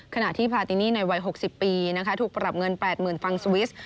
ขณะที่พาตินี่ในวัย๖๐ปีถูกปรับเงิน๘๐๐๐ฟังสวิส